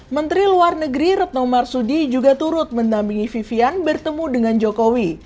menteri luar negeri retno marsudi juga turut mendampingi vivian bertemu dengan jokowi